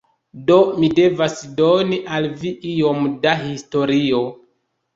Do, mi devas doni al vi iom da historio.